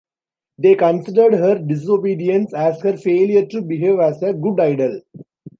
They considered her disobedience as her failure to behave as a good idol.